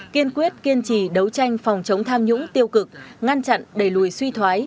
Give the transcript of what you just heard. kiên quyết kiên trì đấu tranh phòng chống tham nhũng tiêu cực ngăn chặn đẩy lùi suy thoái